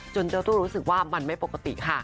เจ้าตู้รู้สึกว่ามันไม่ปกติค่ะ